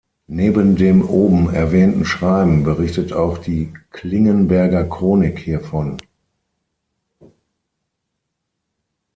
Neben dem oben erwähnten Schreiben berichtet auch die "«Klingenberger Chronik»" hiervon.